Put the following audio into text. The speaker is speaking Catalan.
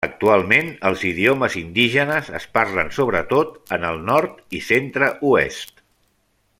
Actualment, els idiomes indígenes es parlen sobretot en el Nord i Centre-Oest.